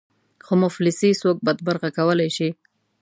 خو مفلسي څوک بدمرغه کولای شي.